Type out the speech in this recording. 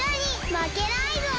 まけないぞ！